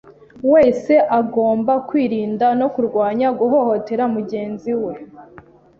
wese agomba kwirinda no kurwanya guhohotera mugenzi we